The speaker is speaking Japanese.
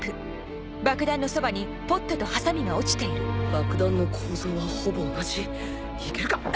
爆弾の構造はほぼ同じいけるか？